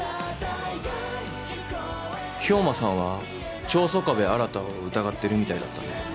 兵馬さんは長曾我部新を疑ってるみたいだったね。